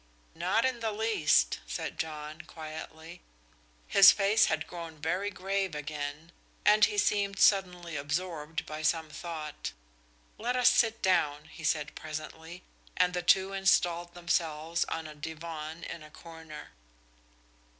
"Not in the least," said John, quietly. His face had grown very grave again, and he seemed suddenly absorbed by some thought. "Let us sit down," he said presently, and the two installed themselves on a divan in a corner.